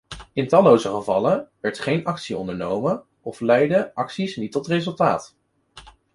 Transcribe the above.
In talloze gevallen werd geen actie ondernomen of leidden acties niet tot resultaat.